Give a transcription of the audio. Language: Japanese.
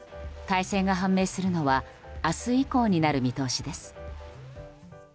大勢が判明するのは明日以降になる見通しです。